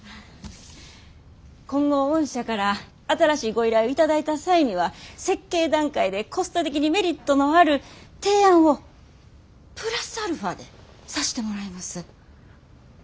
今後御社から新しいご依頼を頂いた際には設計段階でコスト的にメリットのある提案をプラスアルファでさしてもらいます。